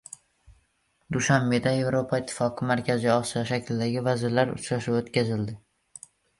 Dushanbeda «Yevropa Ittifoqi - Markaziy Osiyo» shaklidagi vazirlar uchrashuvi o‘tkazildi